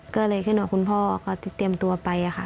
เกิดเหมือนกับคุณพ่อปกติไปเตรียมตัวไปค่ะ